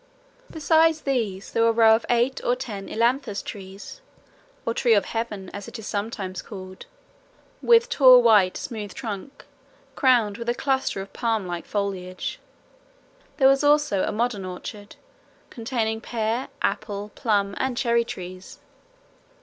Besides these there was a row of eight or ten ailanthus trees, or tree of heaven as it is sometimes called, with tall white smooth trunk crowned with a cluster of palm like foliage. There was also a modern orchard, containing pear, apple, plum, and cherry trees.